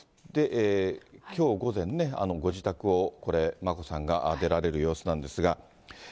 きょう午前ね、ご自宅を、これ、眞子さんが出られる様子なんですが。